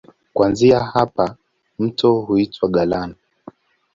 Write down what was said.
Kuanzia hapa mto huitwa Galana.